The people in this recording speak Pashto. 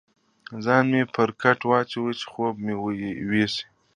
ځان مې پر کټ واچاوه، چې خوب مې یوسي.